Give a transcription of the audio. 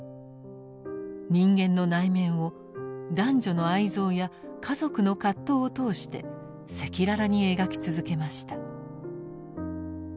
人間の内面を男女の愛憎や家族の葛藤を通して赤裸々に描き続けました。